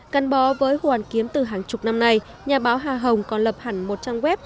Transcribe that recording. căn bó với hồ hoàn kiếm từ hàng chục năm nay nhà báo hà hồng còn lập hẳn một trang web